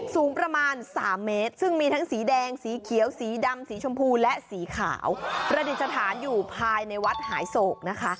สูงประมาณ๓เมตรซึ่งมีทั้งสีแดงสีเขียวสีดำสีชมพูและสีขาวประดิษฐานอยู่ภายในวัดหายโศกนะคะ